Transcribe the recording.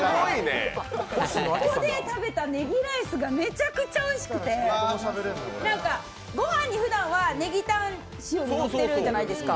そこで食べた、ねぎライスがめちゃくちゃおいしくて、ご飯にふだんはねぎ、タン、塩降ってるじゃないですか。